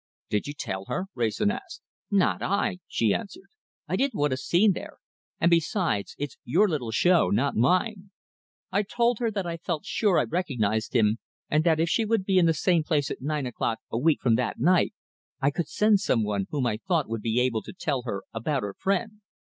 "Did you tell her?" Wrayson asked. "Not I!" she answered. "I didn't want a scene there, and besides, it's your little show, not mine. I told her that I felt sure I recognized him, and that if she would be in the same place at nine o'clock a week from that night, I could send some one whom I thought would be able to tell her about her friend.